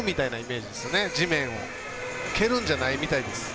蹴るんじゃないみたいです。